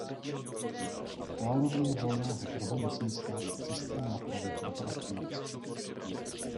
Teologie volného trhu nesmí stát v cestě nápravy pro pracující.